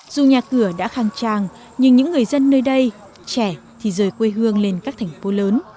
dù nhà cửa đã khang trang nhưng những người dân nơi đây trẻ thì rời quê hương lên các thành phố lớn